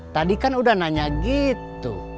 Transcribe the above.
tadi kan udah nanya gitu